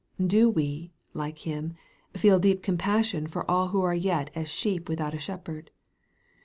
Do we, like Him, feel deep compassion for all who are yet as sheep without a shepherd